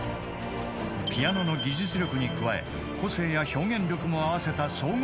［ピアノの技術力に加え個性や表現力も合わせた総合点で１人１００点］